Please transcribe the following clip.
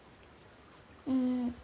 うん。